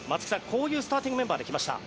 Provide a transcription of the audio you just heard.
こういうスターティングメンバーで来ました。